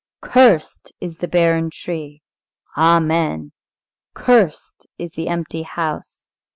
"Cursed is the barren tree!" "Amen." "Cursed is the empty house!"